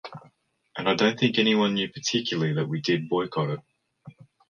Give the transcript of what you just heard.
And I don't think anyone knew particularly that we did boycott it.